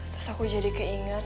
terus aku jadi keinget